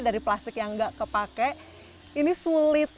dari plastik yang tidak kepakai ini sulit